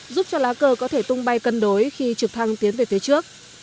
giúp cho lá cờ có thể tung bay cân đối khi trực thăng tiến về phía trước